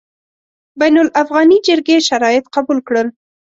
بین الافغاني جرګې شرایط قبول کړل.